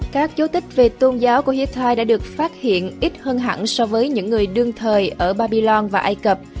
các dấu tích về tôn giáo của hittite đã được phát hiện ít hơn hẳn so với những người đương thời ở babylon và ai cập